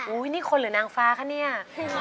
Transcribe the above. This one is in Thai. นี่คนหรือนางฟ้าคะเนี่ย